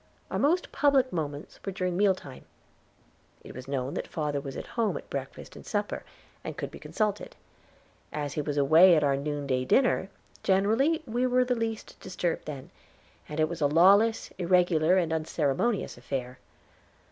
Our most public moments were during meal time. It was known that father was at home at breakfast and supper, and could be consulted. As he was away at our noonday dinner, generally we were the least disturbed then, and it was a lawless, irregular, and unceremonious affair.